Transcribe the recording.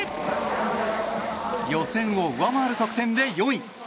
予選を上回る得点で４位。